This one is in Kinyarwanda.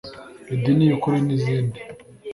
Idini y’Ukuri n’izindi